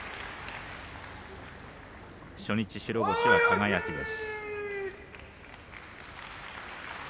初日白星は輝です。